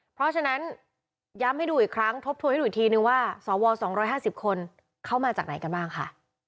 เพราะฉะนั้นย้ำให้ดูอีกครั้งทบทวนให้ดูอีกทีนึงว่าสว๒๕๐คนเข้ามาจากไหนกันบ้างค่ะ